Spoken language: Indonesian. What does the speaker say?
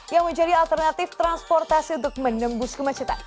yang menjadi alternatif transportasi untuk menembus kemacetan